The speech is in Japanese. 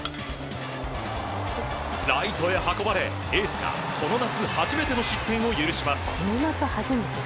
ライトへ運ばれ、エースがこの夏初めての失点を許します。